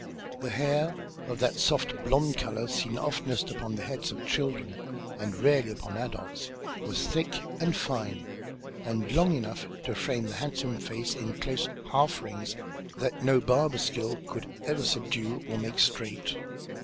The hair, of that soft blonde colour, seen oftenest upon the heads of children, and rarely upon adults, was thick and fine, and long enough to frame the handsome face in close half rings that no barber's skill could ever subdue or make straight.